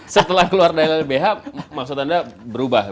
setelah keluar dari lbh maksud anda berubah